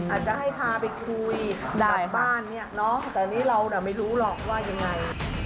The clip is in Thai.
อาจจะให้พาไปคุยกับบ้านเนี่ยเนอะแต่นี่เราไม่รู้หรอกว่ายังไง